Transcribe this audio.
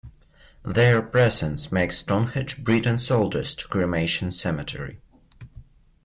Their presence makes Stonehenge Britain's oldest cremation cemetery.